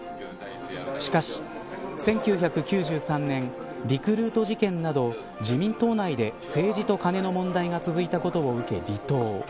しかし、１９９３年リクルート事件など自民党内で政治と金の問題が続いたことを受け離党。